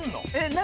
何？